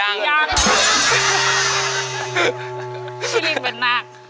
ปินเป็นนาค